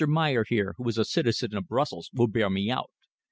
Meyer here, who is a citizen of Brussels, will bear me out.